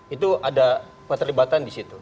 itu ada keterlibatan di situ